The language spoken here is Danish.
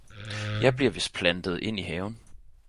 Jeg bliver vist plantet ind i haven!